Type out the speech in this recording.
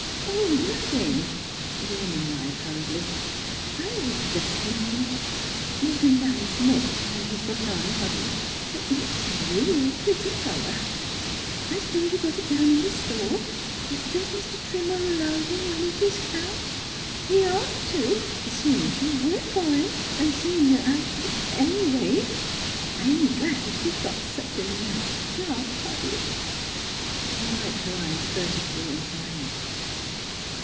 Oh, nothing," the woman lied hurriedly. " I was just thinking what a nice necktie you've got on, Hoddy. It's a real pretty color. I I s'pose you got it down in the store. 211 212 NEIGHBORS ... Does Mr. Trimmer allow you any dis count? He'd ought to, seeing you work for him an' seeing I But, anyway, I'm glad you've got such a nice job, Hoddy." She wiped her eyes furtively and sighed.